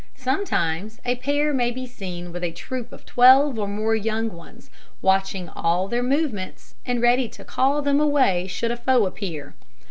Sometimes a pair may be seen with a troop of twelve or more young ones, watching all their movements, and ready to call them away should a foe appear.